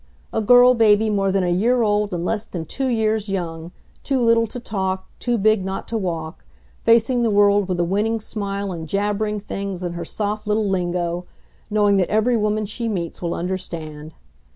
A girl baby more than a year old and less than two years young; too little to talk; too big not to walk; facing the world with a winning smile and jabbering things in her soft little lingo, knowing that every woman she meets will understand.